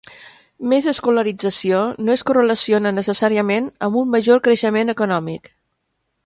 Més escolarització no es correlaciona necessàriament amb un major creixement econòmic.